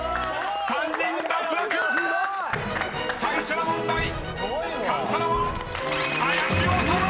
すごい！［最初の問題勝ったのは林修だ！］